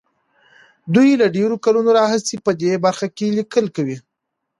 دوی له ډېرو کلونو راهيسې په دې برخه کې ليکل کوي.